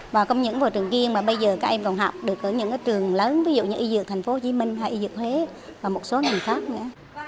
và không những vào trường kiên mà bây giờ các em còn học được ở những trường lớn ví dụ như y dược tp hcm hay y dược huế và một số ngành khác nữa